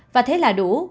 và thế là đủ